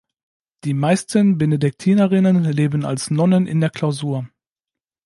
Die meisten Benediktinerinnen leben als Nonnen in der Klausur.